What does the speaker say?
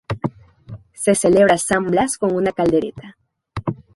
Se celebra San Blas con una caldereta.